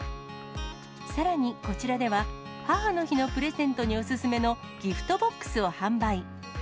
さらにこちらでは、母の日のプレゼントにお勧めのギフトボックスを販売。